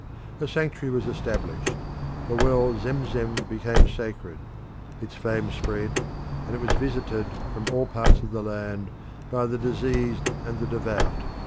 A sanctuary was established; the well Zemzem became sacred; its fame spread, and it was visited from all parts of the land by the diseased and the devout.